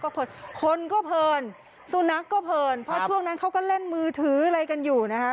คนก็เพลินสุนัขก็เพลินเพราะช่วงนั้นเขาก็เล่นมือถืออะไรกันอยู่นะคะ